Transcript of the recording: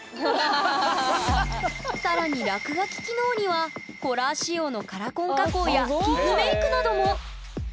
更に落書き機能にはホラー仕様のカラコン加工や傷メイクなども！